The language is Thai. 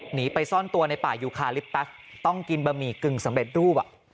หนีไปซ่อนตัวในป่ายูคาลิปตัสต้องกินบะหมี่กึ่งสำเร็จรูป